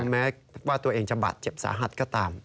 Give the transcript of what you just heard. แม้ว่าตัวเองจะบาดเจ็บสาหัสก็ตาม